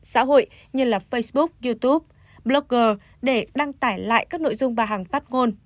xã hội như facebook youtube blogger để đăng tải lại các nội dung bà hằng phát ngôn